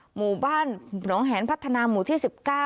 หมู่บ้านหนองแหนพัฒนาหมู่ที่๑๙